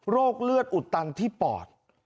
เลือดอุดตันที่ปอด